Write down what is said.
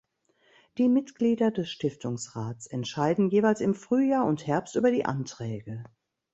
Die Mitglieder des Stiftungsrats entscheiden jeweils im Frühjahr und Herbst über die Anträge.